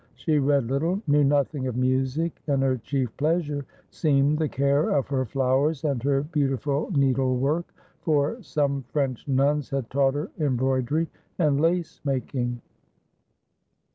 She read little, knew nothing of music, and her chief pleasure seemed the care of her flowers and her beautiful needlework, for some French nuns had taught her embroidery and lace making.